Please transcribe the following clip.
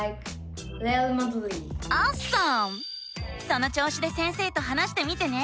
そのちょうしで先生と話してみてね！